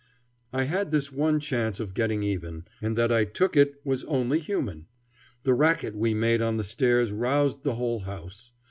I had this one chance of getting even, and that I took it was only human. The racket we made on the stairs roused the whole house.